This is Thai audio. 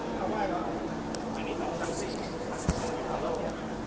สวัสดีครับ